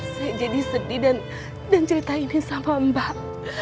saya jadi sedih dan cerita ini sama mbak